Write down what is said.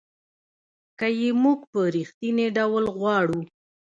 که یې موږ په رښتینې ډول غواړو .